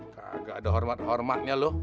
kagak ada hormat hormatnya loh